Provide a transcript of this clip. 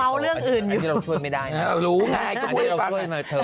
เครื่องเลี้ยงอื่นอยู่เธอมายังไงครับได้เลยครับรู้ไง